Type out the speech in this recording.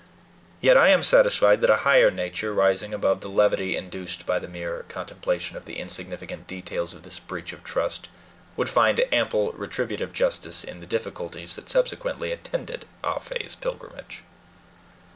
Yet I am satisfied that a higher nature, rising above the levity induced by the mere contemplation of the insignificant details of this breach of trust, would find ample retributive justice in the difficulties that subsequently attended Ah Fe's pilgrimage.